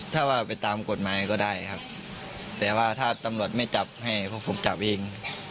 ถ้าว่าไปตามกฎหมายก็ได้ครับแต่ว่าถ้าตำรวจไม่จับให้พวกผมจับเอง